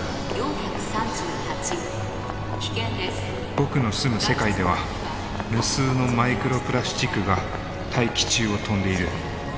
僕の住む世界では無数のマイクロプラスチックが大気中を飛んでいる。